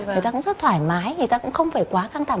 người ta cũng rất thoải mái người ta cũng không phải quá căng thẳng